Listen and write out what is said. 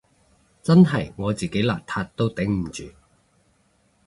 真係我自己邋遢都頂唔住